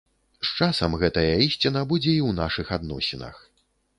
З часам гэтая ісціна будзе і ў нашых адносінах.